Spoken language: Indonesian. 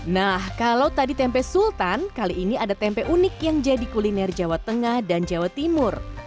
nah kalau tadi tempe sultan kali ini ada tempe unik yang jadi kuliner jawa tengah dan jawa timur